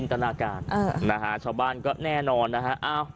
ชาวบ้านก็แน่นอนนะฮะ